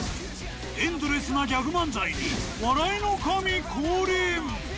エンドレスなギャグ漫才に笑いの神、降臨！